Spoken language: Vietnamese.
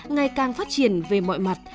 ngày càng phát triển về mọi mặt